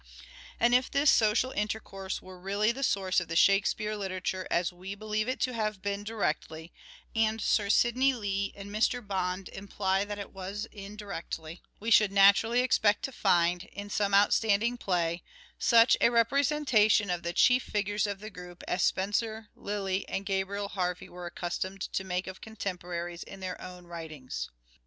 And if this social intercourse were really the source of the Shakespeare literature as we believe it to have been directly, and Sir Sidney Lee and Mr. Bond imply that it was indirectly, we should MANHOOD OF DE VERB : MIDDLE PERIOD 329 naturally expect to find, in some outstanding play, such a representation of the chief figures of the group as Spenser, Lyly and Gabriel Harvey were accustomed to make of contemporaries in their own writings.